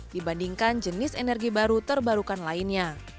dibandingkan jenis energi baru terbarukan lainnya